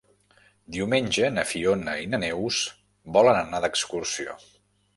Diumenge na Fiona i na Neus volen anar d'excursió.